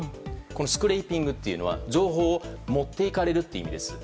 スクレイピングというのは情報を持っていかれるという意味です。